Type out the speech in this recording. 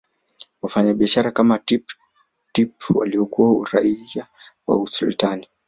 Wafanyabiashara kama Tipp Tip waliokuwa raia wa Usultani